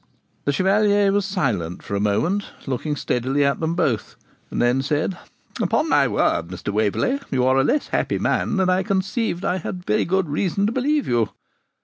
The Chevalier was silent for a moment, looking steadily at them both, and then said, 'Upon my word, Mr. Waverley, you are a less happy man than I conceived I had very good reason to believe you.